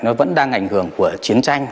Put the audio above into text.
nó vẫn đang ảnh hưởng của chiến tranh